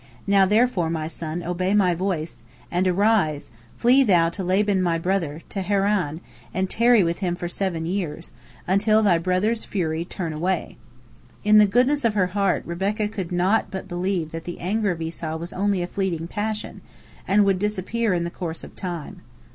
Now therefore, my son, obey my voice, and arise, flee thou to Laban my brother, to Haran, and tarry with him for seven years, until thy brother's fury turn away." In the goodness of her heart, Rebekah could not but believe that the anger of Esau was only a fleeting passion, and would disappear in the course of time.